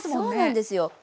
そうなんですよ。